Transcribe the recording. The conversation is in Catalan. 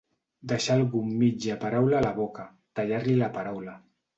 Deixar algú amb mitja paraula a la boca, tallar-li la paraula.